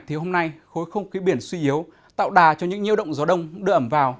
thì hôm nay khối không khí biển suy yếu tạo đà cho những nhiêu động gió đông đợm vào